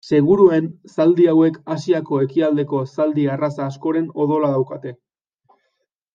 Seguruen zaldi hauek Asiako ekialdeko zaldi arraza askoren odola daukate.